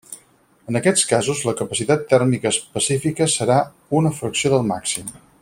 En aquests casos, la capacitat tèrmica específica serà una fracció del màxim.